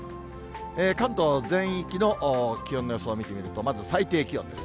関東全域の気温の予想見てみると、まず最低気温です。